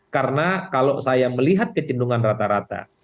karena kalau saya melihat kecindungan rata rata